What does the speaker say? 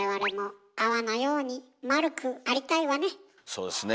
そうですね。